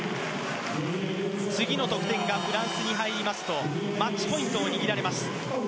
次の得点がフランスに入るとマッチポイントを握られます。